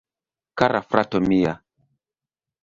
Kara frato mia..